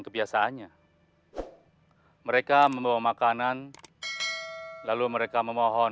kebiasaannya mereka membawa makanan lalu mereka memohon